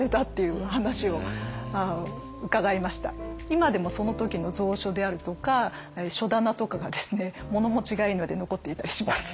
今でもその時の蔵書であるとか書棚とかがですね物持ちがいいので残っていたりします。